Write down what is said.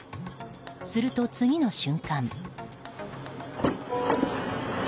すると次の瞬間。